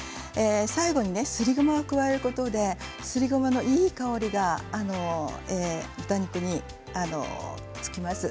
最後に、すりごまを加えることですりごまのいい香りが豚肉につきます。